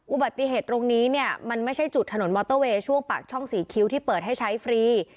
อุบัติเหตุตรงนี้เนี่ยมันไม่ใช่จุดถนนมอเตอร์เวย์ช่วงปากช่องสี่คิ้วที่เปิดให้ใช้ฟรี